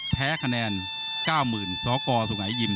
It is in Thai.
แพ้คะแนน๙๐สกสุงัยยิบ